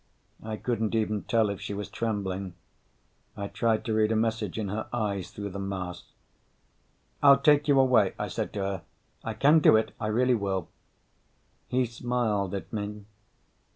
I couldn't even tell if she was trembling. I tried to read a message in her eyes through the mask. "I'll take you away," I said to her. "I can do it. I really will." He smiled at me.